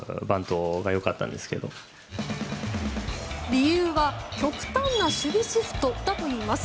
理由は極端な守備シフトだといいます。